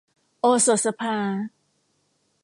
โอสถสภา